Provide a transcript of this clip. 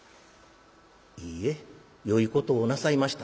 「いいえよいことをなさいました。